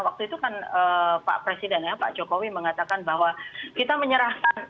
waktu itu kan pak presiden ya pak jokowi mengatakan bahwa kita menyerahkan